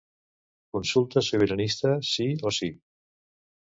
Consulta sobiranista, sí o sí.